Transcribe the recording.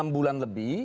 enam bulan lebih